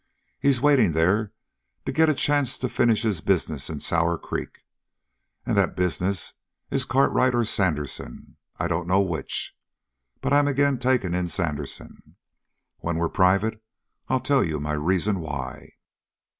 He's waiting there to get a chance to finish his business in Sour Creek, and that business is Cartwright or Sandersen, I dunno which. Now, I'm agin' taking in Sandersen. When we're private I'll tell you my reason why."